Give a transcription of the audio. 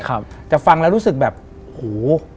แต่ฟังแล้วรู้สึกแบบโห